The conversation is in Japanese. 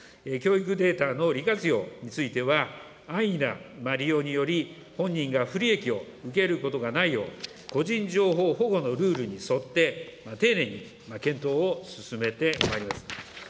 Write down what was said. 教育データの利活用については、安易な利用により、本人が不利益を受けることがないよう、個人情報保護のルールに沿って、丁寧に検討を進めてまいります。